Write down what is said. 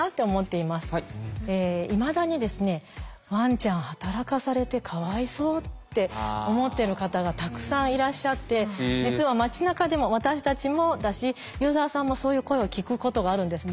いまだにワンちゃん働かされてかわいそうって思ってる方がたくさんいらっしゃって実は街なかでも私たちもだしユーザーさんもそういう声を聞くことがあるんですね。